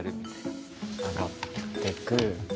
上がってく。